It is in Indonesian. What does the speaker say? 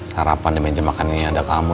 harapan di ongkir makanannya ada kamu